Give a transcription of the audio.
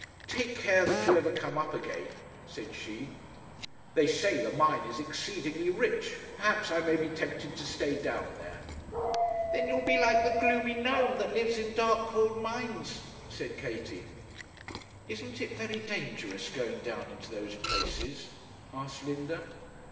'Take care that you ever come up again,' said she. 'They say the mine is exceedingly rich perhaps I may be tempted to stay down there.' 'Then you'll be like the gloomy gnome, that lives in dark, cold mines,' said Katie. 'Isn't it very dangerous, going down into those places?' asked Linda.